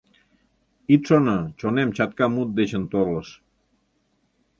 Ит шоно, чонем чатка мут дечын торлыш.